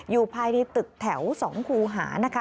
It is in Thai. อยู่ภายในตึกแถว๒คูหานะคะ